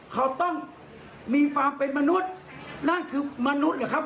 เขาต้องมีความเป็นมนุษย์นั่นคือมนุษย์เหรอครับ